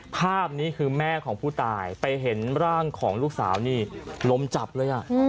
ภาพนี้คือแม่ของผู้ตายไปเห็นร่างของลูกสาวนี่ล้มจับเลย